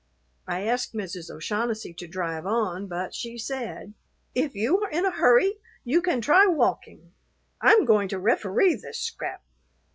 I asked Mrs. O'Shaughnessy to drive on, but she said, "If you are in a hurry you can try walkin'; I'm goin' to referee this scrap."